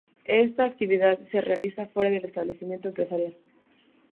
Esta actividad se realiza fuera del establecimiento empresarial.